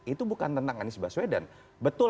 itu bukan tentang anies baswedan betul